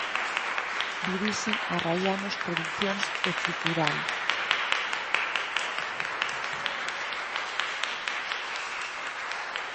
Dirixe Arraianos Producións e Ficrural.